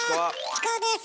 チコです